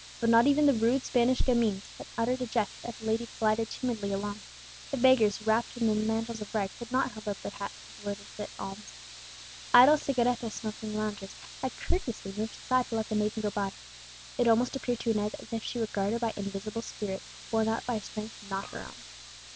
But not even the rude Spanish gamins had uttered a jest as the lady glided timidly along; the beggars, wrapped in their mantles of rags, had not held out their hats to solicit alms. Idle cigaretto smoking loungers had courteously moved aside to let the maiden go by. It almost appeared to Inez as if she were guarded by invisible spirits, borne up by a strength not her own.